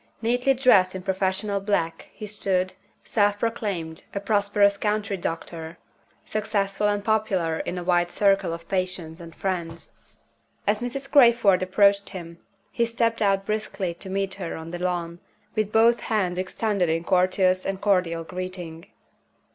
Neatly dressed in professional black, he stood, self proclaimed, a prosperous country doctor successful and popular in a wide circle of patients and friends. As Mrs. Crayford approached him, he stepped out briskly to meet her on the lawn, with both hands extended in courteous and cordial greeting.